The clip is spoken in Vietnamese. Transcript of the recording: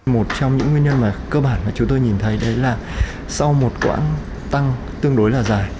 một trong những nguyên nhân mà cơ bản mà chúng tôi nhìn thấy đấy là sau một quãng tăng tương đối là dài